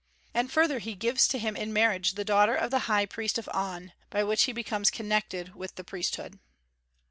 And, further, he gives to him in marriage the daughter of the High Priest of On, by which he becomes connected with the priesthood.